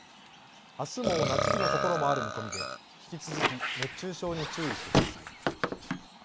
あすも夏日の所もある見込みで引き続き熱中症に注意してください。